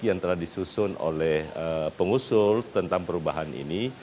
yang telah disusun oleh pengusul tentang perubahan ini